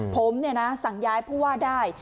ผมเนี่ยนะสั่งย้ายผู้ว่าได้